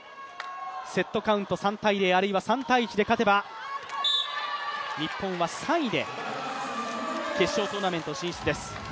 セットカウント３−０あるいは３−１で勝てば日本は３位で決勝トーナメント進出です。